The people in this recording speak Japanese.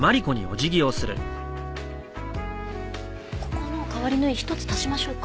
ここの変わり縫い１つ足しましょうか。